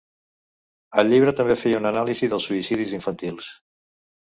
El llibre també feia un anàlisi dels suïcidis infantils.